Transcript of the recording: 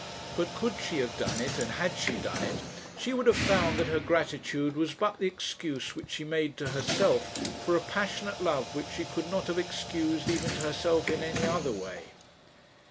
But could she have done it, and had she done it, she would have found that her gratitude was but the excuse which she made to herself for a passionate love which she could not have excused, even to herself, in any other way.